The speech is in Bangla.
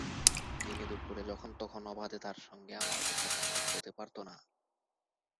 দিনে-দুপুরে যখন-তখন অবাধে তাঁর সঙ্গে আমার দেখা-সাক্ষাৎ হতে পারত না।